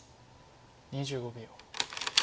２５秒。